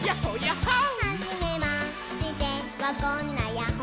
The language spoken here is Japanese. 「はじめましてはこんなヤッホ」